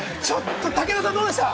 武田さん、どうでしたか？